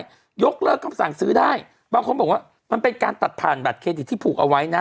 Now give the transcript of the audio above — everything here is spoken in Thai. ก็ยกเลิกคำสั่งซื้อได้บางคนบอกว่ามันเป็นการตัดผ่านบัตรเครดิตที่ผูกเอาไว้นะ